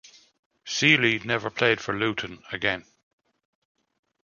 Sealey never played for Luton again.